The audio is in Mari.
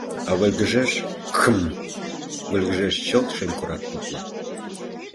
А выльгыжеш, кхм-м, выльгыжеш чылт шемкорак тупла.